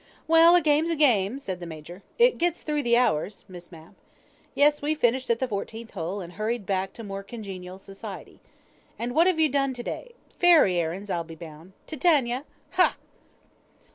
"Well, a game's a game," said the Major. "It gets through the hours, Miss Mapp. Yes: we finished at the fourteenth hole, and hurried back to more congenial society. And what have you done to day? Fairy errands, I'll be bound. Titania! Ha!"